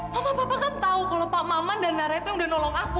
mama papa kan tahu kalau pak maman dan nara itu yang udah nolong aku